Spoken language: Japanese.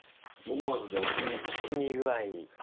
思わず出ましたね。